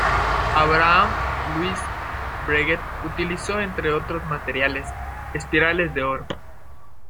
Abraham Louis Breguet utilizó, entre otros materiales, espirales de oro.